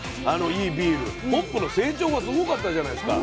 ホップの成長がすごかったじゃないですか。